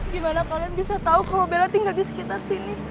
gimana kalian bisa tahu probelnya tinggal di sekitar sini